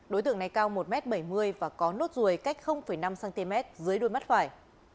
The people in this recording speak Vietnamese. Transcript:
đối tượng này cao một m bảy mươi và có nốt ruồi cách năm cm dưới đuôi mắt phải